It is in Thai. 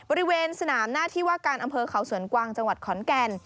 บริเวณสนามหน้าที่ว่าการอำเภอเขาสวนกวางจังหวัดขอนแก่น